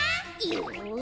よし！